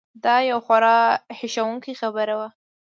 دا یو خورا هیښوونکې خبره وه.